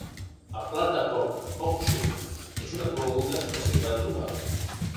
El plat de porc "poc-chuc" és una coneguda especialitat local.